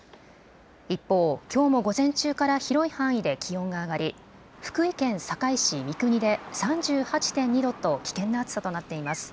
一方、きょうも午前中から広い範囲で気温が上がり福井県坂井市三国で３８．２度と危険な暑さとなっています。